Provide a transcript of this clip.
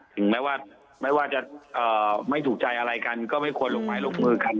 ถึงแม้ว่าจะไม่ถูกใจอะไรกันก็ไม่ควรลงใหม่ลงมือกันครับ